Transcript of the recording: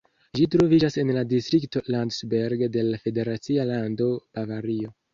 Ĝi troviĝas en la distrikto Landsberg de la federacia lando Bavario.